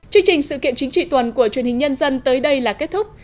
chương trình sự kiện chính trị tuần của truyền hình nhân dân tới đây là kết thúc